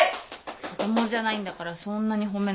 子供じゃないんだからそんなに褒めなくても。